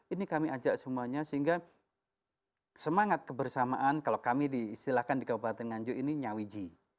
ini kami ajak semuanya sehingga semangat kebersamaan kalau kami diistilahkan di kabupaten nganjuk ini nyawiji